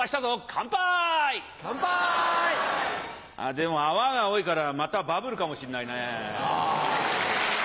でも泡が多いからまたバブルかもしれないね。